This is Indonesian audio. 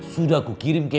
sudah aku kirim ke